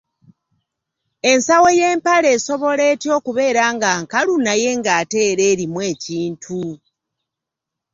Ensawo y’empale esobola etya okubeera nga nkalu naye ng’ate era erimu ekintu?